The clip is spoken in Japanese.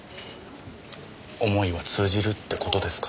思いは通じるって事ですか。